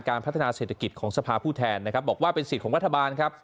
พัฒนาเศรษฐกิจของสภาผู้แทนนะครับบอกว่าเป็นสิทธิ์ของรัฐบาลครับ